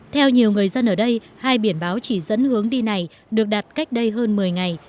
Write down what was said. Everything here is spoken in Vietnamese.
theo nhiều người dân ở đây hai biển báo chỉ dẫn hướng đi này được đặt cách đây hơn một mươi ngày